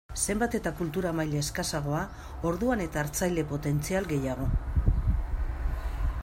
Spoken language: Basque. Zenbat eta kultura maila eskasagoa orduan eta hartzaile potentzial gehiago.